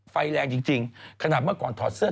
ไฟแรงจริงขนาดเมื่อก่อนถอดเสื้อ